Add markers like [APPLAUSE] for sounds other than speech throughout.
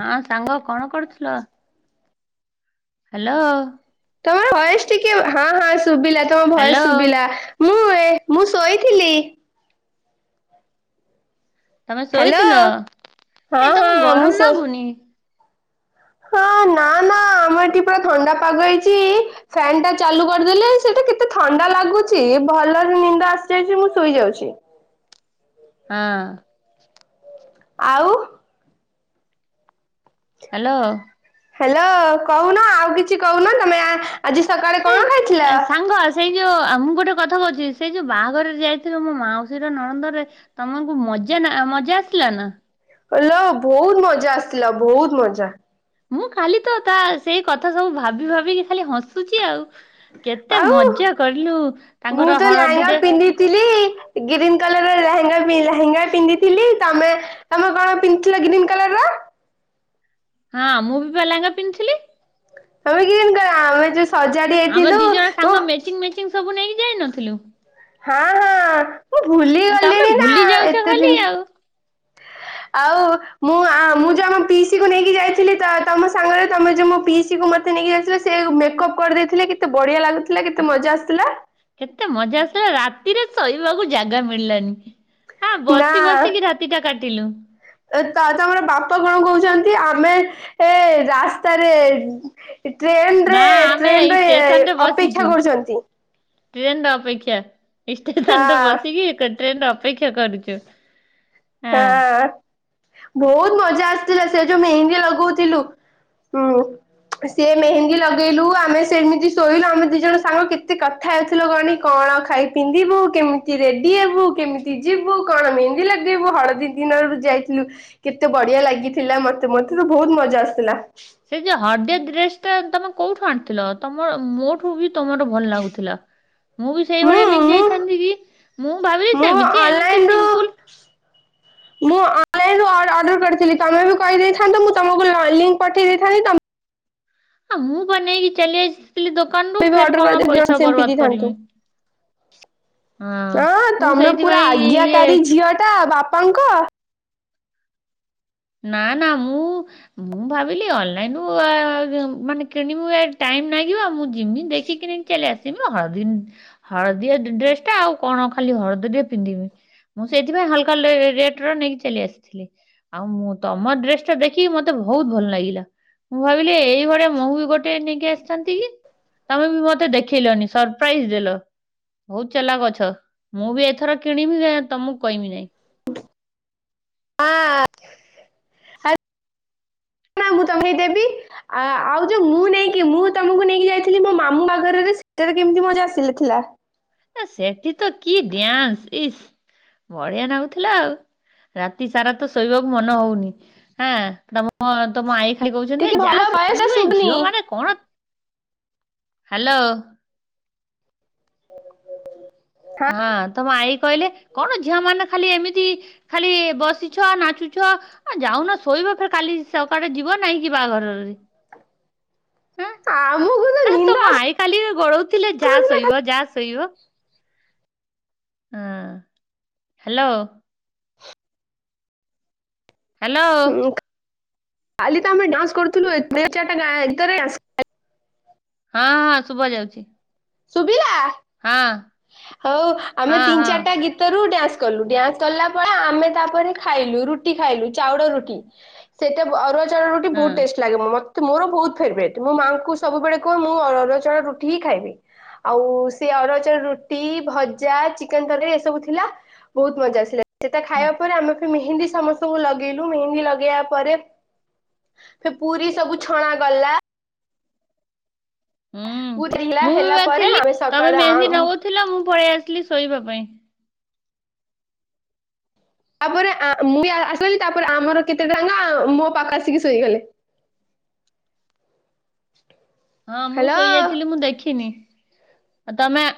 ହଁ ସାଙ୍ଗ କଣ କରୁଥିଲ? ହ୍ୟାଲୋ। ତମ ଭୟସ ଟିକେ ହଁ ହଁ ଶୁଭିଲା ତମ ହ୍ୟାଲୋ ଭଏସ ଶୁଭିଲା। ମୁଁ ଏ ମୁଁ ଶୋଇଥିଲି। ତମେ ହ୍ୟାଲୋ ଶୋଇଥିଲ ହଁ ଏଇ ତମ କୁ ହଁ ମୁଁ ଗରମ ଶୋ ନାଗୁନି? ହଁ ନା ନା ଆମର ଏଠି ପୁରା ଥଣ୍ଡା ପାଗ ହେଇଛି। ଫ୍ୟନ୍ ଟା ଚାଲୁ କରିଦେଲେ ସେଟା କେତେ ଥଣ୍ଡା ଲାଗୁଛି ଭଲରେ ନିଦା ଆସିଯାଇଛି ମୁଁ ଶୋଇଯାଉଛି। ହଁ। ଆଉ। ହାଲୋ। ହେଲୋ କହୁନ ଆଉ କିଛି କହୁନ ତମେ ଆଜି ସକାଳେ ଏଇ କଣ ଏ, ଖାଇଥିଲ? ସାଙ୍ଗ ସେଇ ଯୋ ଆଉ ମୁଁ ଗୋଟେ କଥା କହୁଛି ସେଇ ଯୋଉ ବାହାଘରରେ ଯାଇଥିଲ ମୋ ମାଉସିର ନଣନ୍ଦରେ ତମକୁ ମଜା ନା ମଜା ଆସିଲା ନା। କଲ ବହୁତ ମଜା ଆସିଥିଲା ବହୁତ ମଜା। ମୁଁ ଖାଲି ତ ତା ସେଇ କଥା ସବୁ ଭାବି ଭାବିକି ଖାଲି ହସୁଛି ଆଉ। କେତେ ଆଉ ମଜା କରିଲୁ ତାଙ୍କର ହଳଦୀରେ ଥିଲି ଗ୍ରୀନ କଲର ଲେହେଙ୍ଗା ଲେହେଙ୍ଗା ପିନ୍ଧିଥିଲି ତମେ ତମେ କଣ ପିନ୍ଧିଥିଲ ଗ୍ରୀନ୍ କଲର୍ ର? ହଁ ମୁଁ ବି ଲାଙ୍ଗା ପିନ୍ଧିଥିଲି। ତମେ ଗ୍ରୀନ କଲର [UNINTELLIGIBLE] ଆମେ ଯୋଉ ସଜାଡି ଆମେ ହେଇଥିଲୁ। ଦି ଜଣ ସାଙ୍ଗ [UNINTELLIGIBLE] ସବୁ ନେଇକି ଯାଇନଥିଲୁ। ହଁ ମୁଁ ଭୁଲି ତମେ ଗଲିଣି ନା ଭୁଲି ଯାଉଛ ଏତେ ଖାଲି ଦିନ ଆଉ। ଆଉ ମୁଁ ଆ ମୁଁ ଯୋଉ ଆମ ପିଇସି କୁ ନେଇକି ଯାଇଥିଲି ତ ତମ ସାଙ୍ଗରେ ତମେ ଯୋଉ ମ ପିଇସି କୁ ମତେ ନେଇକି ଯାଇଥିଲେ ସେ ମେକପ୍ କରିଦେଇଥିଲେ କେତେ ବଢିଆ ଲାଗୁଥିଲା କେତେ ମଜା ଆସିୁଥିଲା। କେତେ ମଜା ଆସିଲା ରାତିରେ ଶୋଇବାକୁ ଜାଗା ମିଳିଲାନି। ହଁ ବସି ବସିକି ରାତିଟା କାଟିଲୁ। ତ ତମର ବାପା କଣ କହୁଛନ୍ତି ଆମେ ଏ ରାସ୍ତାରେ ଟ୍ରେନ ନା ରେ ଆମେ ଏଇ ଟ୍ରେନ ରେ ଅପେକ୍ଷା କରୁଛନ୍ତି। ଟ୍ରେନ ରେ ଅପେକ୍ଷା ଇ ଷ୍ଟେସନରେ ହଁ ବସିିକି ଟ୍ରେନରେ ଅପେକ୍ଷା କରୁଛୁ। ହଁ ହଁ ବହୁତ ମଜା ଆସିଥିଲା ସେ ଯୋଉ ମେହେନ୍ଦୀ ଲଗଉଥିଲୁ ହୁଁ। ସେ ମେହେନ୍ଦୀ ଲଗେଇଲୁ ଆମେ ସେମିତି ଶୋଇଲୁ ଆମେ ଦି ଜଣ ସାଙ୍ଗ କେତେ କଥା କଥା ହେଉଥିଲୁ କହନି କଣ ଖାଇ ପିନ୍ଧିବୁ କେମିତି ରେଡି ହେବୁ କେମିତି ଯିବୁ କଣ ମେହନ୍ଦି ଲାଗ [UNINTELLIGIBLE] ହଳଦୀ ଦିନରୁ ଯାଇଥିଲୁ। କେତେ ବଢିଆ ଲାଗିଥିଲା ମତେ ମତେ ତ ବହୁତ ମଜା ଆସିଥିଲା। ସେ ଯୋଉ ହର୍ଦଆ ଡ୍ରେସ ଟା ତମେ କୋଉଠୁ ଆଣିଥିଲ ତମ ମୋଠୁ ବି ତମର ଭଲ ଲାଗୁଥିଲା। ମୁଁ ବି ସେଇଭଳିଆ ନେଇକି ଯାଇଥାନ୍ତି କି ମୁଁ ଭାବିଲି ମୁଁ ସେମିତି ଏମିତି ଅନଲାଇନରୁ ସିମ୍ପଲ। ମୁଁ ଅନଲାଇନ ଅ ଅର୍ଡର କରିଥିଲି ତମେ ବି କହିଦେଇଥାନ୍ତ ମୁଁ ତମକୁ ଲିଙ୍କ ପଠେଇ ଦେଇଥାନ୍ତି ତମେ ହ ମୁଁ ବା ନେଇକି ଚାଲି ଆସିଥିଲି ଦୋକାନରୁୁ ବି ଫେର ଅର୍ଡର କରି କଣ ଦି ଜଣ ପଇସା ସେମତି ବର୍ବାଦ ଦେଇଥାନ୍ତୁ କରିମି। ହଁ ମୁଁ ସେଇଥିପାଇଁ ଇଏ ତା ବାପାଙ୍କ ନା ନା ମୁଁ ମୁଁ ଭାବିଲି ଅନଲାଇନ ରୁ ମାନେ କିଣିବି ଟାଇମ ଲାଗିବ ମୁଁ ଯିମି ଦେଖି କିଣି- ଚାଲି ଆସମି ହଳଦୀ ହଳଦୀଆ ଡ୍ରେସ ଟା ଆଉ କଣ ଖାଲି ହଳଦୀ ଟେ ପିନ୍ଧିବି। ମୁଁ ସେଥିପାଇଁ ହଲକା ଲେ ରେଟର ନେଇକି ଚାଲି ଆସିଥିଲି। ଆଉ ମୁଁ ତମ ଡ୍ରେସ ଟା ଦେଖିକି ମତେ ବହୁତ ଭଲ ଲାଗିଲା। ମୁଁ ଭାବିଲି ଏଇଳିଆ ମୁଁ ବି ଗୋଟେ ନେଇକି ଆସିଥାନ୍ତି କି? ତମେ ବି ମତେ ଦେଖେଇଲନି ସରପ୍ରାଇଜ ଦେଲ। ବହୁତ ଚାଲାକ ଅଛ ମୁଁ ବି ଏଥର କିଣିବି ତମକୁ କହିବି ନାଇଁ। [UNINTELLIGIBLE] [UNINTELLIGIBLE] ମୁଁ ତମରି [UNINTELLIGIBLE] ଦେବି। ଆ ଆଉ ଯୋଉ ମୁଁ ନେଇକି ମୁଁ ତମକୁ ନେଇକି ଯାଇଥିଲି ମୋ ମାମୁଁ ବାଗରରେ ସେତେବେଲେ କେମିତି ମଜା ଆସି ଥିଲା। ନା ସେଠି ତ କି ଡ୍ୟାନ୍ସ ଇସ ବଢିଆ ନାଗୁଥିଲା ଆଉ। ରାତି ସାରା ତ ଶୋଇବାକୁ ମନ ହଉନି ହଁ ତମ ତମ ଆଇ- ଖାଲି କହୁଛନ୍ତି ଏ ଟିକେ ଯାଆ ଭଲ ଭଏସ ଟା ଶୋଇଯିବ ଏ ଶୁଭୁନି ଝିଅ ମାନେ କଣ ହ୍ୟାଲୋ। ହଁ ତମ ଆଇ କହିଲେ କଣ ଝିଅ ମାନେ ଖାଲି ଏମିତି ଖାଲି ବସିଛ ନାଚୁଛ। ଆ ଯାଉନ ଶୋଇବ ଫେର କାଲି ସକାଳେ ଯିବ ନାହିଁ କି ବାହାଘର ରେ। ଆ ମୁଁ ଆଁ ତମ ଆଇ କାଲି ଗୋଳଉଥିଲେ ଯା ଶୋଇବ ଯା ଶୋଇବ। ହଁ ହ୍ୟାଲୋ ହ୍ୟାଲୋ ହୁଁ ଖାଲି ତ ଆମେ ଡାନ୍ସ କରୁଥିଲୁ [UNINTELLIGIBLE] ହଁ ହଁ ଶୁଭା ଯାଉଛି। ସୁଭିଲା? ହଁ ହୋ ଆମେ ହଁ ତିନି ହଁ ଚାରିଟା ଗୀତ ଭିତରୁ ଡ୍ୟାନ୍ସ କଲୁ ଡ୍ୟାନ୍ସ କଲା ପରେ ଆମେ ତାପରେ ଖାଇଲୁ ରୁଟି ଖାଇଲୁ ଚାଉଳ ରୁଟି। ତ ସେଇତ ଅରୁଆ ଚାଉଳ ରୁଟି ହଁ ବହୁତ ଟେଷ୍ଟ ଲାଗେ ମତେ ମୋର ବୋହୁତ ଫେବରେଟ୍ ମୋ ମାଆଙ୍କୁ ସବୁବେଳେ କୁହେ ମୁଁ ଅରୁଆ ଚାଉଳ ରୁଟି ହିଁ ଖାଇବି। ଆଉ ସିଏ ଅରୁଆ ଚାଉଳ ରୁଟ ଟି ଭଜା ଚିକେନ ତରକାରୀ ଏସବୁ ଥିଲା ବୋହୁତ ମଜା ଆସିଲା ସେଟା ହୁଁ ଖାଇବା ପରେ ଆମେ ମେହେନ୍ଦୀ ସମସ୍ତଙ୍କୁ ଲଗେଇଲୁ ମେହେନ୍ଦୀ ଲଗେଇବା ପରେ ପୁରୀ ସବୁ ଛଣା ଗଲା। ହୁଁ ପୁରୀ ହେଲା ମୁଁ ବି ହେଲା ବା ପରେ ଥିଲି ଆମେ ତମେ ମେହେନ୍ଦୀ ସକାଳେ ନଗଉଥିଲ ମୁଁ ପଳେଇ ଆସିଲି ଶୋଇବା ପାଇଁ। ତାପରେ ଆଁ ମେ ଆସଲି ତାପରେ ଆମର କେତେ ସାଙ୍ଗ ମୋ ପାଖରେ ଆସିକି ଶୋଇଗଲେ। ହଁ ମୁଁ ହ୍ୟାଲୋ ଶୋଇଯାଇଥିଲି ମୁଁ ଦେଖିନି। ଆଉ ତମେ ଆ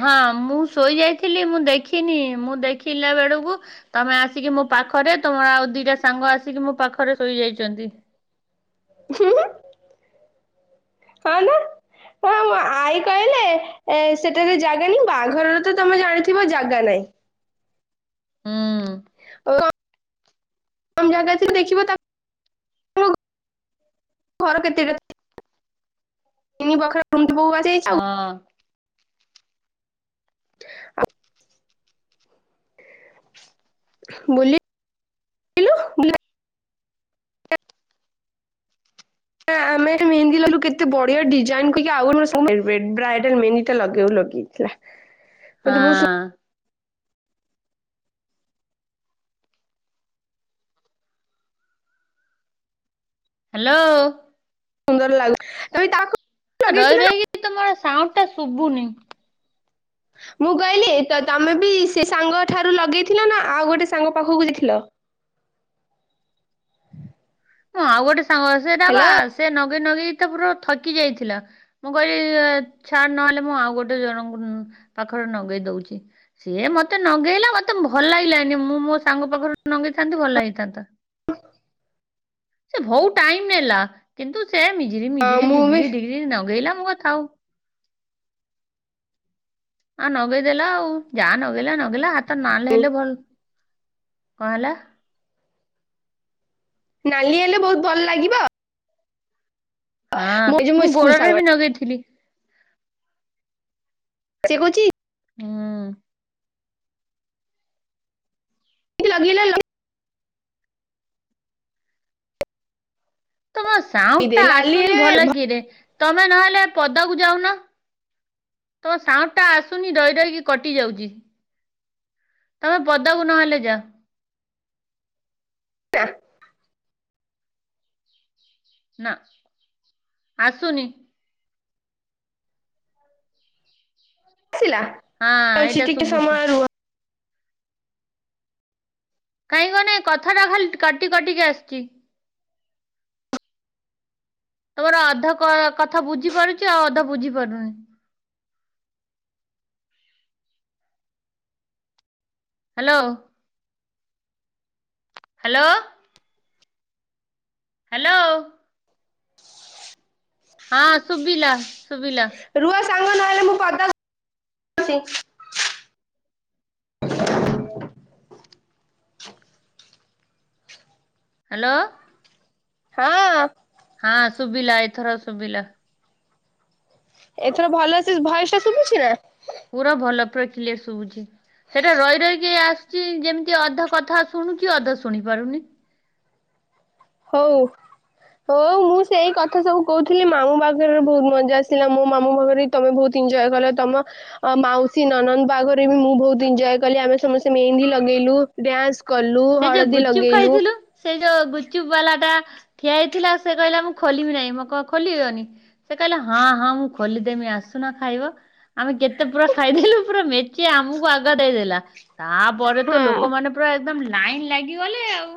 ହଁ ମୁଁ ଶୋଇଯାଇଥିଲି ମୁଁ ଦେଖିନି ମୁଁ ଦେଖିଲା ବେଳକୁ ତମେ ଆସିକି ମୋ ପାଖରେ ତମ ଆଉ ଦିଟା ସାଙ୍ଗ ଆସିକି ମୋ ପାଖରେ ଶୋଇଯାଇଛନ୍ତି। ହୁଁ ହୁଁ ହଁ ନା। ହଁ ମୋ ଆଈ କହିଲେ ଏ ସେଠାରେ ଜାଗାନି ବାହାଘରରେ ତ ତମେ ଜାଣିଥିବ ଜାଗା ନହିଁ। ହୁଁ କମ୍ ଜାଗା ଦେଖିବ ତା ଘର କେତିରେ ତିନି ପାଖରେ ଟୁଣ୍ଡି ବୋଉ ଆଜି ହଁ ଆ ବୋଲି ଲୁ ବୁଲା ନା ଆମେ ସେଠୁ ମେହେନ୍ଦୀ ନେଲୁ କେତେ ବଢିଆ ଡିଜାଇନ ଟିକେ ଆଉ ମତେ ବହୁତ ହଁ ହ୍ୟାଲୋ ସୁନ୍ଦର ଲାଗୁ ତଇ ତାକୁ ରହି ଲଗେଇଥିଲ ରହିକି ଦି ତମର ସାଉଣ୍ଡ ଟା ଶୁଭୁନି। ମୁଁ କହିଲି ତ ତମେ ବି ସେ ସାଙ୍ଗ ଠାରୁ ଲଗେଇଥିଲ ନା ଆଉ ଗୋଟେ ସାଙ୍ଗ ପାଖକୁ ଯାଇଥିଲ? ହୁଁ ଆଉ ଗୋଟେ ସାଙ୍ଗ ସେଟା ବା ହ୍ୟାଲୋ ସେ ନଗେଇ ନଗେଇ ତ ପୁରା ଥକି ଯାଇଥିଲା। ମୁଁ କହିଲି ଛାଡ ନହେଲେ ମୁଁ ଆଉ ଗୋଟେ ଜଣଙ୍କୁ ପାଖରେ ନଗେଇ ଦଉଛି। ସିଏ ମତେ ନଗେଇଲା ମତେ ଭଲ ଲାଗିଲାନି ମୁଁ ମୋ ସାଙ୍ଗ ପାଖରୁ ନଗେଇଥାନ୍ତି ଭଲ ହେଇଥାନ୍ତା। ସେ ଭୋଉତ ଟାଇମ ନେଲା କିନ୍ତୁ ସେ ମିଜିରି ମିଜିରି ମୁଁ ବି ଡିଗିରି ଡିଗିରି ନଗେଇଲା ମୁଁ କହିଲି ଥାଉ। ହଁ ନଗେଇଦେଲା ଆଉ ଯାହା ନଗେଇଲା ନଗେଇଲା ହାତ ନାଲ ହେଲେ ଭଲ ନାଲି ହେଲେ ବୋହୁତ ଭଲ ଲାଗିବ। ହଁ ଯୋଉ ମୋ ମୁଁ ସ୍କୁଲ ଗୋଡଟରେ ବି ସାଙ୍ଗଟା ନଗେଇଥିଲି। ସେ କହୁଛି ହୁଁ। ଟିକେ ଲଗେଇଲେ ଲାଗି ତମ ସାଉଣ୍ଡ ଟା ଲଗେଇଦେ ଲାଲି ଆସୁନି ହେଲେ ଭଲ ଭ କିରେ ତମେ ନହେଲେ ପଦାକୁ ଯାଉନ। ତମ ସାଉଣ୍ଡ ଟା ଆସୁନି ଡଇ ଡଇକି କଟି ଯାଉଛି। ତମେ ପଦାକୁ ନହେଲେ ଯାଅ। [INAUDIBLE] ନା ଆସୁନି। ଆସିଲା ହଁ [UNINTELLIGIBLE] ଏଇଟା ଟିକେ ଶୁଭୁଛି। ସମୟ ରୁହ। କାହିଁକି କହନି କଥାଟା ଖାଲ କଟି କଟିକି ଆସୁଛି। ତୋର ଅଧ କ-କଥା ବୁଝିପାରୁଛି ଆଉ ଅଧ ବୁଝି ପାରୁନି। ହାଲୋ। ହାଲୋ। ହାଲୋ। ହଁ ଶୁଭିଲା ଶୁଭିଲା। ରୁହ ସାଙ୍ଗ ନହେଲେ ମୁଁ ପଦା ଯାଉଛି। ହାଲୋ। ହଁ। ହଁ ଶୁଭିଲା ଏଥର ଶୁଭିଲା। ଏଥର ଭଲସେ ଭଏସ ଟା ଶୁଭୁଛି ନା? ପୁରା ଭଲ ପୁରା କ୍ଲିୟର ଶୁଭୁଛି ସେଟା ରହି ରହିକି ଆସ [INAUDIBLE] ଚି ଯେମିତି ଅଧ କଥା ଶୁଣୁଚି ଅଧ ଶୁଣି ପାରୁନି। ହଉ। ହଉ ମୁଁ ସେଇ କଥା ସବୁ କହୁଥିଲି ମାମୁଁ ପାଖରେ ବହୁତ ମଜା ଆସିଲା ମୋ ମାମୁଁ ପାଖରେ ତମେ ବହୁତ ଇଞ୍ଜଏ କର ତମ ଅ ମାଉସୀ, ନଣନ୍ଦ ପା ଘରେ ବି ମୁଁ ବହୁତ ଇଞ୍ଜଏ କଲି ଆମେ ସମସ୍ତେ ମେହେନ୍ଦୀ ଲଗେଇଲୁ ଡ୍ୟାନ୍ସ। କଲୁ ସେ ଯୋଉ ହଳଦୀ ଗୁପଚୁପ୍ ଲଗେଇଲୁ। ଖାଇଥିଲୁ ସେ ଯୋଉ ଗୁଚୁପ ବାଲାଟା ଠିଆ ହେଇଥିଲା ସେ କହିଲା ମୁଁ ଖୋଲିିବି ନାହିଁ ମୁଁ କ ଖୋଲିବନି। ସେ କହିଲା ହଁ ହଁ ମୁଁ ଖୋଲିଦେମି ଆସୁନ ଖାଇବ। ଆମେ କେତେ ପୁରା ଖାଇଦେଲୁ ପୁରା ମେଚେ ଆମକୁ ଆଗ ଦେଇଦେଲା। ତାପରେ ତ ହଁ। ଲୋକ ମାନେ ପୁରା ଏକଦମ ଲାଇନ୍ ଲାଗିଗ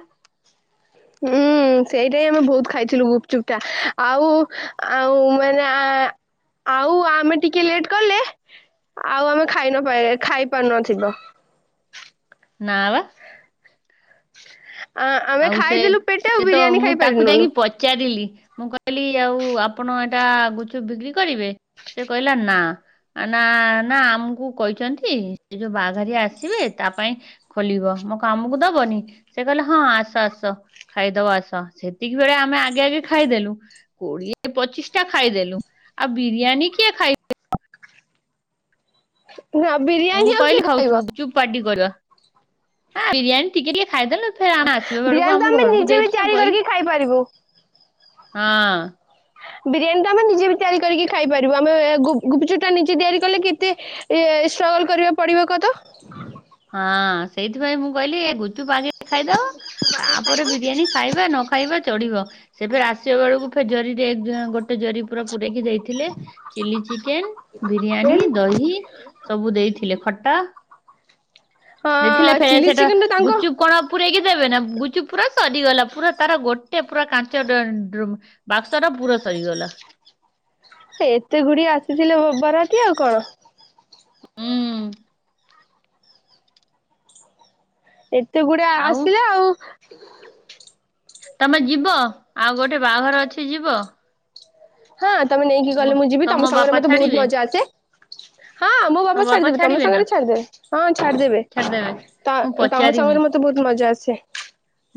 [INAUDIBLE] ହୁଁ ସେଇଟା ହି ଆମେ ବହୁତ ଖାଇଥିଲୁ ଗୁପଚୁପଟା ଆଉ ଆଉ ମାନେ ଆଁ ଆଉ ଆମେ ଟିକେ ଲେଟ କଲେ ଆଉ ଆମେ ଖାଇ ନ ପାରିବା ଖାଇପାରୁନଥିବ। ନା ବା। ଆମେ ଆଉ ସେ ଖାଇଦେଲୁ ପେଟେ ଆଉ ସେ ତ ବିରିୟାନୀ ମୁଁ ଖାଇ ତାକୁ ପାରିଲୁନୁ ଯାଇକି ପଚାରିଲି ମୁଁ କ କହିଲି ଆଉ ଆପଣ ଏଇଟା ଗୁଚୁପ ବିକ୍ରି କରିବେ ସେ କହିଲା ନା। ଆ ନା ନା ଆମକୁ କହିଛନ୍ତି ସେ ଯୋଉ ବାହା ଘରିଆ ଆସିବେ ତା ପାଇଁ। ଖୋଲିବ ମୁଁ କ ଆମକୁ ଦବନି ସେ କହିଲେ ହଁ ଆସ ଆସ ଆସ ଖାଇଦବ ଆସ ସେତିକି ବେଳେ ଆମେ ଆଗେ ଆଗେ ଖାଇଦେଲୁ। କୋଡ଼ିଏ, ପଚିଶ ଟା ଖାଇଦେଲୁ ଆଉ ବିରିୟାନି କିଏ ଖାଇ ନା ବିରି ମୁଁ କହିଲି ଖାଉଚୁ ଗୁପ ଚୁପ୍ ପାର୍ଟି କରିବା ଏଁ ବିରିୟାନୀ ଟିକେ ଟିକେ ଖାଇଦେଲେ। ଫେର ଆମେ ଆସିବା ବେଳକୁ ବିରିୟାନୀ ତ ଆମ ଆମେ ଘରକୁ ନିଜେ ବି ଦେଇଥିଲେ ମୁଁ ତିଆରି କହିଲି କରିକି ଖାଇପାରିବୁ ହଁ। ବିରିୟାନୀ ତ ଆମେ ନିଜେ ବି ତିଆରି କରିକି ଖାଇପାରିବୁ ଆମେ ଗୁ ଗୁପଚୁପଟା ନିଜେ ତିଆରି କଲେ କେତେ। ଏ ଷ୍ଟ୍ରଗଲ କରିବାକୁ ପଡିବ କହ ତ। ହଁ ସେଇଥିପାଇଁ ମୁଁ କହିଲି ଏ ଗୁ ଚୁପ ଆଗେ ଖାଇଦବ ତାପରେ ବିରିୟାନୀ ଖାଇବା ନ ଖାଇବା ଚଢିବ। ସେ ବେ ଆସିବ ବେଳକୁ ଫେ ଜରିରେ ଜଁ ଗୋଟେ ଜରି ପୁରା ପୁରେଇକି ଦେଇ ଥିଲେ ଚିଲ୍ଲି ଚିକେନ୍ ହଁ ବିରିୟାନୀ ଦହି ସବୁ ଦେଇଥିଲେ ଖଟା ଦେଇଥିଲେ ଫେଳେ ଚିଲି ସେଇଟା ଚିକେନ ତ ତାଙ୍କ ଗୁଚୁପ୍ କଣ ପୁରେକି ଦେବେ ନା ଗୁଚୁପ୍ ପୁରା ସରିଗଲା ପୁରା ତାର ଗୋଟେ ପୁରା କାଞ୍ଚ [UNINTELLIGIBLE] ବାକ୍ସଟା ପୁରା ସରିଗଲା। ହେ ଏତେ ଗୁଡିଏ ଆସିଥିଲେ ବ ବରାତି ଆଉ କଣ। ଉଁ ଏତେ ଗୁଡା ଆଉ ଆସିଲା ଆଉ। ତମେ ଯିବ ଆଉ ଗୋଟେ ବାଆଘର ଅଛି ଯିବ? ହଁ ତମେ ନେଇକି ଗଲେ ମ- ମୁଁ ଯିବି ତମ ସାଙ୍ଗରେ ବାପା ମତେ ବହୁତ୍ ଛାଡିବେ ମଜା ଆସେ। ହଁ ମୋ ତମ ବାପା ଛାଡ୍ ଦେବେ ତମ ଛାଡିବେ ନା ସାଙ୍ଗରେ ଛାଡ୍ ଦେବେ ହଁ ଛାଡ୍ ଦେବେ। ଛାଡିଦେବେ ମୁଁ ତାଁ ତମ ପଚାରିମି ସାଙ୍ଗରେ ମତେ ବହୁତ୍ ମଜା ଆସେ।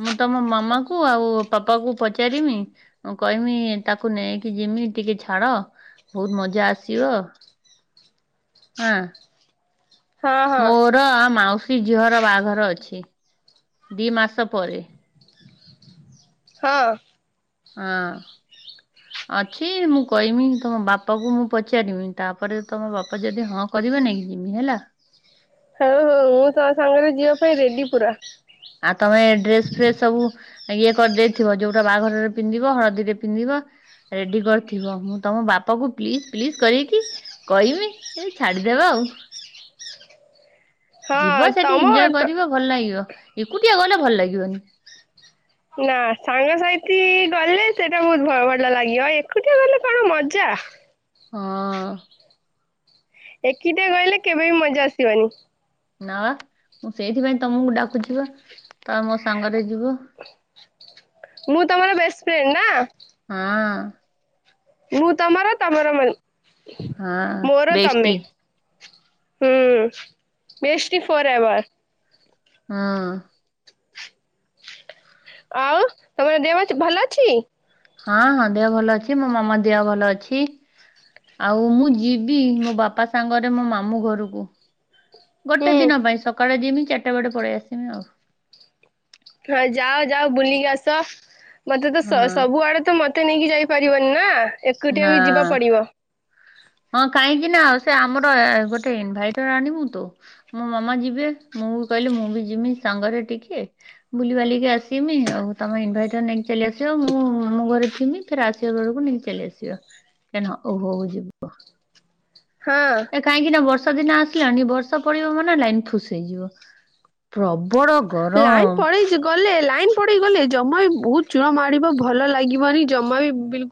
ମୁଁ ତମ ମାମାକୁ ଆଉ ପାପାକୁ ପଚାରିମି ମୁଁ କହିମି ତାକୁ ନେଇକି ଯିମି ଟିକେ ଛାଡ ବହୁତ୍ ମଜା ଆସିବ। ହଁ। ହଁ ହଁ ମୋର ଆ ମାଉସୀ ଝିଅର ବାହାଘର ଅଛି ଦି ମାସ ପରେ। ହଁ। ଅଁ। [INAUDIBLE] ଅଛି ମୁଁ କହିମି ତମ ବାପାକୁ ମୁଁ ପଚାରିମି ତାପରେ ତମ ବାପା ଯଦି ହଁ କରିବେ ନେଇଁକି ଯିମି ହେଲା। ହଉ ହଉ ମୁଁ ତୋ ସାଙ୍ଗରେ ଯିଆ ପାଇଁ ରେଡି ପୁରା। ଆ ତମେ ଡ୍ରେସ୍ ଫ୍ରେସ୍ ସବୁ ଇଏ କରିଦେଇଥିବ ଯୋଉଟା ବାହାଘରରେ ପିନ୍ଧିବ ହଳଦୀରେ ପିନ୍ଧିବ। ରେଡି କରିଥିବ ମୁଁ ତମ ବାପାକୁ ପ୍ଲିଜ୍ ପ୍ଲିଜ୍ କରକି କହମି ଏ ଛାଡ୍ ଦେବେ ଆଉ। ଯିବ ହଁ ସେଠି ତମ ଇଞ୍ଜୟ ତ କରିବ ଭଲ ଲାଗିବ ଏକୁଟିଆ ଗଲେ ଭଲ୍ ଲାଗିବନି। ନା ସାଙ୍ଗସାଥି ଗଲେ ସେଇଟା ବହୁତ୍ ଭଲ ଲାଗିବ ଏକୁଟିଆ ଗଲେ କଣ ମଜା। ହଁ। ଏକିଟା ଗଲେ କେବେ ବି ମଜା ଆସିବାନି। ନା ବା ମୁଁ ସେଇଥିପାଇଁ ତମକୁ ଡାକୁଚି ବା ତମେ ମୋ ସାଙ୍ଗରେ ଯିବ। ମୁଁ ତମର ବେଷ୍ ଫ୍ରେଣ୍ଡ୍ ନା? ହଁ। ମୁଁ ତମର ତମର ମେ ହଁ ମୋର ତମେ। ବେଷ୍ଟି ହୁଁ ବେଷ୍ଟି ଫର୍ ଏଭର୍। ହଁ। ଆଉ ତମର ଦେଅମଚ୍ ଭଲ ଅଛି? ହଁ-ହଁ ଦେହ ଭଲ ଅଛି ମୋ ମାମା ଦିଅ ଭଲ ଅଛି। ଆଉ ମୁଁ ଯିବି ମୋ ବାପା ସାଙ୍ଗରେ ମୋ ମାମୁଁ ଘରୁକୁ। ଗୋଟେ ହୁଁ ଦିନ ପାଇଁ ସକାଳେ ଯିମି ଚାରିଟା ବଡେ ପଳେଇ ଆସିମି ଆଉ। ହଁ ଯାଅ ଯାଅ ବୁଲିକି ଆସ ମତେ ତ ସ ହଁ ସବୁଆଡେ ତ ମ ତେ ନେଇକି ଯାଇପାରିବନି ନା ନା ଏକୁଟିଆ ବି ଯିବା ପଡିବ। ହଁ କାଇଁକି ନା ଆଉ ସେ ଆମର ଏ ଗୋଟେ ଇନଭାଇଟର୍ ଆଣିବୁ ତୋ। ମୋ ମାମା ଯିବେ ମୁଁ ବି କଇଲି ମୁଁ ବି ଯିମି ସାଙ୍ଗରେ ଟିକେ ବୁଲି ବାଲିକି ଆସ୍ କିମି ଆଉ ତମେ ଇନଭାଇଟ ନେଇ ଚାଲି ଆସିବ ମୁଁ ମୋ ଘରେ ଥିମି ଫେର ଆସିବା ବେଳକୁ ନେଇକି ଚାଲି ଆସିବା କାଇଁନା ଓ ହୋ ଯିବ ହଁ। ଏ କାହିଁକି ନା ବର୍ଷା ଦିନ ଆସିଲାଣିି ବର୍ଷ ପଡିବ ମାନେ ଲାଇନ ଫୁସ ହେଇଯିବ। ପ୍ରବଳ ଲାଇନ ଗରମ ପଳେଇ ଯିବ ଗଲେ ଲାଇନ ପଡେଇ ଗଲେ ଜମା ବି ବହୁତ ଚୂଡ଼ ମାଡ଼ିବ ଭଲ ଲାଗିବନି ଜମା ବି ବିଲ